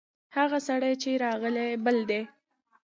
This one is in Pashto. هغه سړی چې راغلی، بل دی.